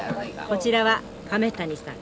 こちらは亀谷さん。